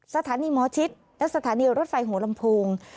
สถานีมชิทและสถานีรวรษไฟโหลมพง